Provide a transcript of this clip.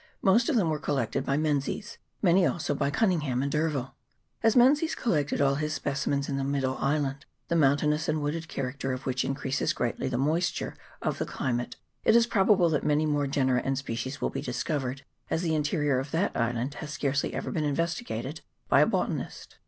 Most of them were collected by Menzies, many also by Cunningham and D'Urville. As Menzies collected all his specimens in the middle island, the mountainous and wooded character of which increases greatly the moisture of the climate, it is probable that many more genera and species will be discovered, as the interior of that island has scarcely ever been investigated by a botanist.